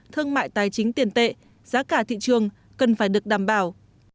thương mại tài chính tiền tệ giá cả thị trường cần phải được đảm bảo